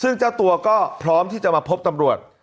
ซึ่งเจ้าตัวก็พร้อมที่จะมาพบตำรวจ